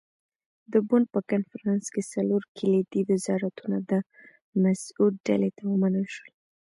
د بُن په کنفرانس کې څلور کلیدي وزارتونه د مسعود ډلې ته ومنل شول.